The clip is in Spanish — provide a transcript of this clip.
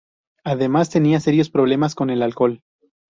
Además tenía serios problemas con el alcohol.